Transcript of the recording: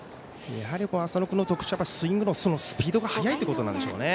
やはり浅野君の特徴はスイングのスピードが速いということなんでしょうね。